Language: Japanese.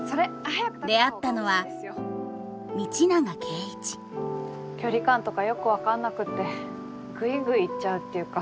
出会ったのは道永圭一距離感とかよく分かんなくてグイグイ行っちゃうっていうか。